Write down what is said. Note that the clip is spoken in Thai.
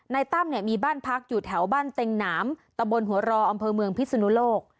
ตั้มเนี่ยมีบ้านพักอยู่แถวบ้านเต็งหนามตะบนหัวรออำเภอเมืองพิศนุโลก